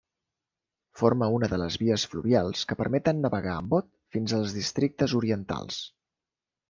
Forma una de les vies fluvials que permeten navegar amb bot fins als districtes orientals.